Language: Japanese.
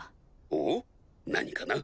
おっ何かな？